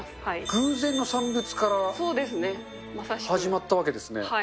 偶然の産物から始まったわけですね。